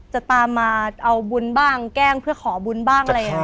จะตามมาเอาบุญบ้างแกล้งเพื่อขอบุญบ้างอะไรอย่างนี้